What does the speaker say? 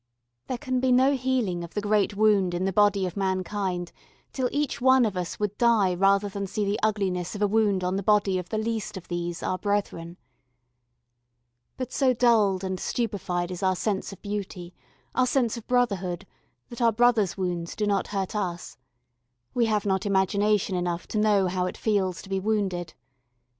There can be no healing of the great wound in the body of mankind till each one of us would die rather than see the ugliness of a wound on the body of the least of these our brethren. But so dulled and stupefied is our sense of beauty, our sense of brotherhood, that our brother's wounds do not hurt us. We have not imagination enough to know how it feels to be wounded.